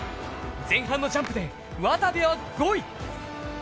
前半のジャンプで渡部は５位。